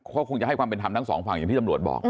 ก็คงจะให้ความเป็นธรรมทั้งสองฝั่งอย่างที่ตำรวจบอก